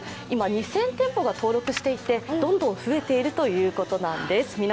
今、２０００店舗が登録していてどんどん増えているということなんです。